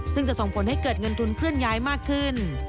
ซึ่งจะส่งผลให้เกิดเงินทุนเคลื่อนย้ายมากขึ้น